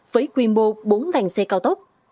với quy mô bốn làng xe cao tốc